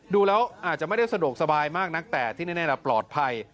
ดูแล้วอาจจะไม่ได้สะดวกสบายมากนักแต่ที่แน่ปลอดภัย